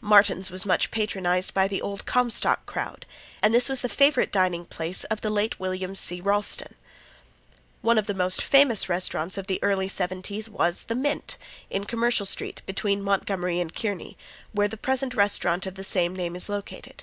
Martin's was much patronized by the Old Comstock crowd, and this was the favorite dining place of the late William C. Ralston. One of the most famous restaurants of the early '70s was the Mint, in Commercial street, between Montgomery and Kearny, where the present restaurant of the same name is located.